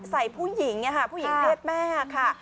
ใส่ผู้หญิงเพชรแม่ค่ะ